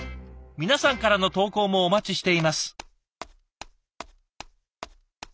皆さんからの投稿もお待ちしています。